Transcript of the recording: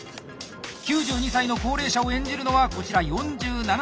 ９２歳の高齢者を演じるのはこちら４７歳の女性。